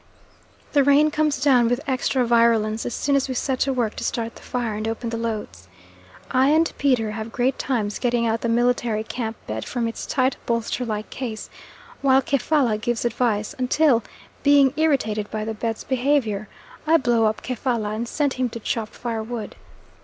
The rain comes down with extra virulence as soon as we set to work to start the fire and open the loads. I and Peter have great times getting out the military camp bed from its tight, bolster like case, while Kefalla gives advice, until, being irritated by the bed's behaviour, I blow up Kefalla and send him to chop firewood.